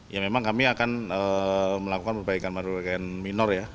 ya memang kami akan melakukan perbaikan perbaikan minor ya